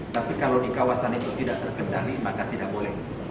tapi kalau di kawasan itu tidak terkendali maka tidak boleh